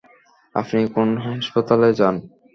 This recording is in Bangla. আপনি কোন হাসপাতালে যান?